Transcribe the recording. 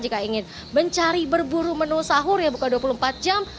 jika ingin mencari berburu menu sahur yang buka dua puluh empat jam